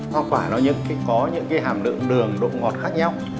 hoa quả nó có những cái hàm lượng đường độ ngọt khác nhau